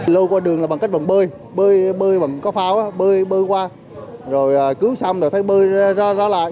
lâu qua đường là bằng cách bằng bơi bơi bằng có phao bơi qua rồi cứu xong rồi thấy bơi ra lại